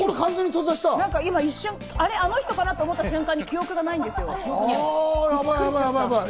一瞬、あの人かなと思った瞬間に記憶がないんですよ。